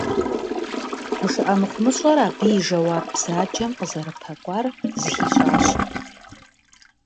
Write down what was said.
ГушыӀэ мыхъумыщӀэр, абы и жэуап бзаджэм къызэрыпэкӀуар зыхищӀащ.